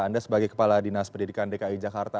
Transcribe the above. anda sebagai kepala dinas pendidikan dki jakarta